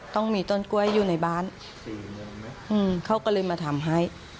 ต้องมีต้นกล้วยอยู่ในบ้านเขาก็เลยมาทำให้